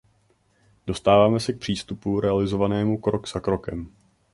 Dostáváme se k přístupu realizovanému krok za krokem.